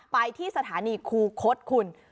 ไปที่สถานีคูคศคุณ